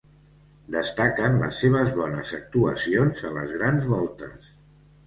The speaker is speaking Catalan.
Destaquen les seves bones actuacions a les Grans Voltes.